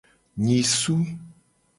Nyisu.